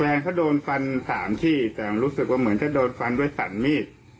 แฟนเขาโดนฟันสามที่แต่รู้สึกว่าเหมือนจะโดนฟันด้วยสันมีด